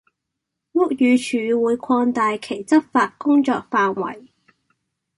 屋宇署會擴大其執法工作範圍